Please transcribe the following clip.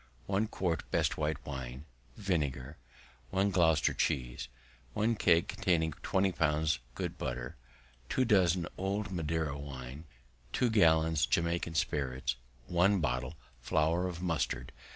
1 quart best white wine vinegar. 1 Gloucester cheese. 1 kegg containing 20 lbs. good butter. 2 doz. old Madeira wine. 2 gallons Jamaica spirits. 1 bottle flour of mustard.